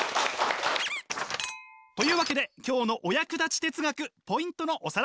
というわけで今日のお役立ち哲学ポイントのおさらいです。